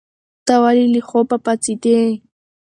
ته ولې له خوبه پاڅېدې؟